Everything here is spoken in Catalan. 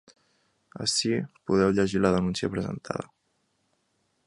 Ací podeu llegir la denúncia presentada.